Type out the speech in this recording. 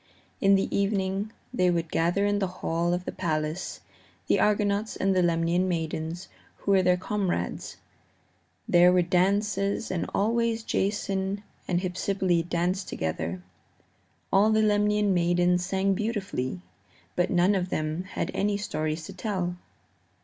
In the evening they would gather in the hall of the palace, the Argonauts and the Lemnian maidens who were their comrades. There were dances, and always Jason and Hypsipyle danced together. All the Lemnian maidens sang beautifully, but none of them had any stories to tell.